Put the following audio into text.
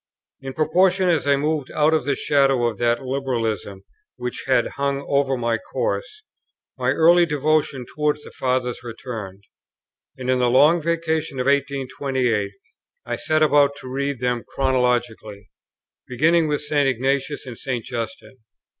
In proportion as I moved out of the shadow of that liberalism which had hung over my course, my early devotion towards the Fathers returned; and in the Long Vacation of 1828 I set about to read them chronologically, beginning with St. Ignatius and St. Justin.